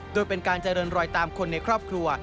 โดยเป็นการเจริญรอยตามคนในครอบครัว